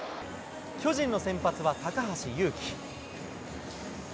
巨人の先発は高橋優貴。